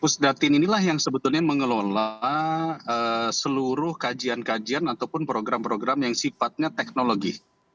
pusdatin inilah yang sebetulnya mengelola seluruh kajian kajian ataupun program program yang sifatnya teknologi